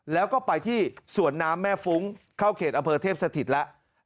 แล้วก็ไปที่สวนน้ำแม่ฟุ้งเข้าเขตอำเภอเทพสถิตแล้ว